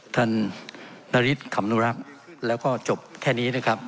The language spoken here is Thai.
นาริสขำนุรักษ์แล้วก็จบแค่นี้นะครับ